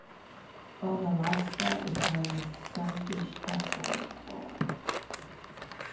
Onalaska is known as The Sunfish Capital of the World.